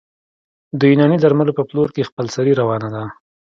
د یوناني درملو په پلور کې خپلسري روانه ده